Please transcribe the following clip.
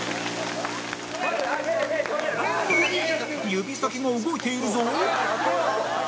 指先が動いているぞ！